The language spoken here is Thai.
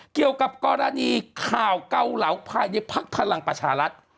เกี่ยวกับกรณีข่าวเกาเหลาภายในภักดิ์พลังประชารัฐ